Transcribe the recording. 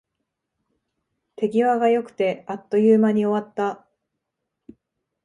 手際が良くて、あっという間に終わった